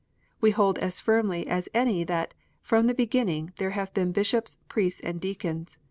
We hold as firmly as any that " from the beginning there have been bishops, priests, and deacons."